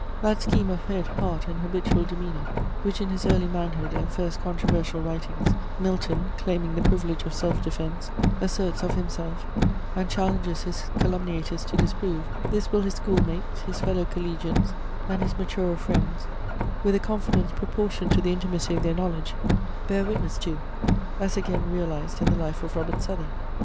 That scheme of head, heart, and habitual demeanour, which in his early manhood, and first controversial writings, Milton, claiming the privilege of self defence, asserts of himself, and challenges his calumniators to disprove; this will his school mates, his fellow collegians, and his maturer friends, with a confidence proportioned to the intimacy of their knowledge, bear witness to, as again realized in the life of Robert Southey.